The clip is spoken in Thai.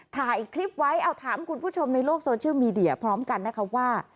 ถ่ายคลิปไว้เอาถามคุณผู้ชมในโลกโซเชียลมีเดียพร้อมกันนะคะว่า